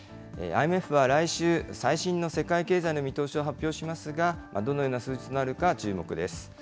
ＩＭＦは来週、最新の世界経済の見通しを発表しますが、どのような数字となるか注目です。